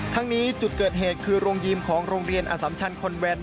ทั้งนี้จุดเกิดเหตุคือโรงยิมของโรงเรียนอสัมชันคอนแวน